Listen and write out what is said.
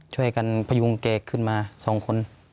ช่วยกันพยุงแกขึ้นมา๒คน